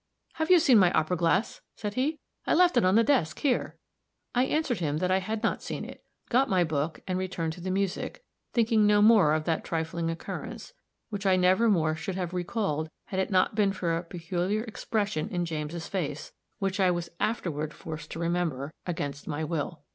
"Have you seen my opera glass?" said he. "I left it on the desk here." I answered him that I had not seen it, got my book, and returned to the music, thinking no more of that trifling occurrence which I never more should have recalled had it not been for a peculiar expression in James' face, which I was afterward forced to remember against my will.